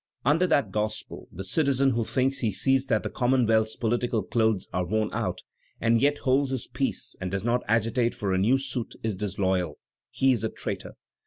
. "Under that gospel, the citizen who thinks he sees that the conunonwealth's political clothes are worn out, and yet holds his peace and does not agitate for a new suit, is disloyal; he is a traitor.